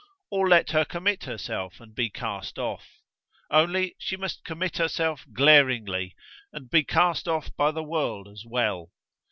Or let her commit herself, and be cast off. Only she must commit herself glaringly, and be cast off by the world as well.